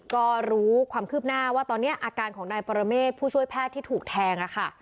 ก็รู้ความคืบหน้าว่าตอนนี้อาการของนายปรเมฆผู้ช่วยแพทย์ที่ถูกแทงค่ะ